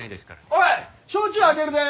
おい焼酎開けるで！